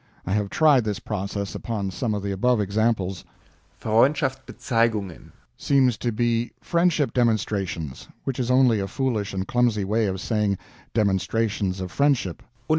I have tried this process upon some of the above examples. "Freundshaftsbezeigungen" seems to be "Friendship demonstrations," which is only a foolish and clumsy way of saying "demonstrations of friendship."